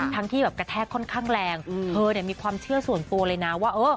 ที่แบบกระแทกค่อนข้างแรงเธอเนี่ยมีความเชื่อส่วนตัวเลยนะว่า